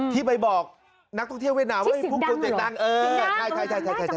ที่ไปบอกนักท่องเที่ยวเวียดนามว่าพวกคุณติดตังค์